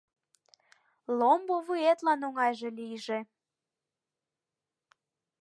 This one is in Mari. Ломбо вуетлан оҥайже лийже.